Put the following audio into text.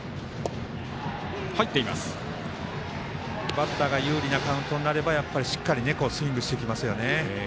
バッターが有利なカウントになればやっぱりしっかりスイングしてきますよね。